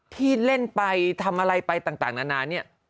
ที่เล่นไปทำอะไรไปต่างนานาเนี่ย